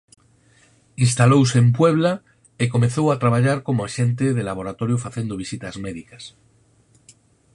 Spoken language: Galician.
Instalouse en Puebla e comezou a traballar como axente de laboratorio facendo visitas médicas.